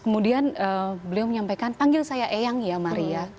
kemudian beliau menyampaikan panggil saya eyang ya maria